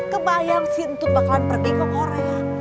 kebayang si antut bakalan pergi ke korea